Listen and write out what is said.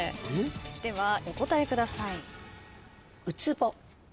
ではお答えください。